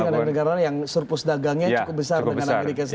negara negara yang surplus dagangnya cukup besar dengan amerika serikat